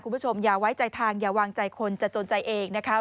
คุณผู้ชมอย่าไว้ใจทางอย่าวางใจคนจะจนใจเองนะคะ